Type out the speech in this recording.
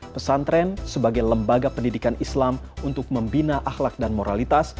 pesantren sebagai lembaga pendidikan islam untuk membina akhlak dan moralitas